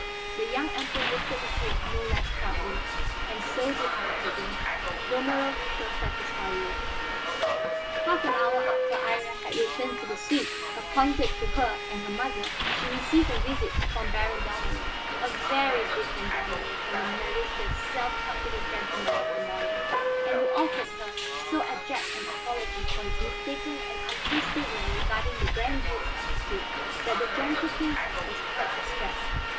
The young Emperor lifted his head no less proudly. "And so do I, cousin. Dalmorov shall satisfy you." Half an hour after Iría had returned to the suite appointed to her and her mother, she received a visit from Baron Dalmorov a very different Dalmorov from the malicious, self confident gentleman of the morning, and who offered her so abject an apology for his mistaken and untrue statement regarding the Grand Duke's attitude, that the Gentle Princess was quite distressed.